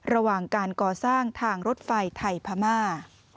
ระหว่างการก่อสร้างทางรถไฟไทยพม่า